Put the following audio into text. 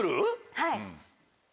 はい。